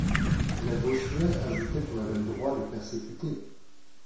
Mais Bossuet ajoutait qu'on avait le droit de persécuter.